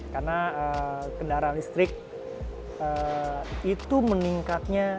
karena kendaraan listrik itu meningkatnya